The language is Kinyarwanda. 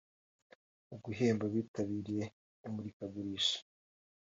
Mu guhemba abitabiriye imurikagurisha